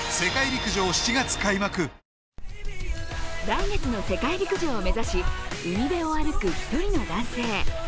来月の世界陸上を目指し、海辺を歩く１人の男性。